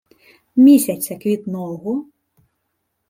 Місяця квітного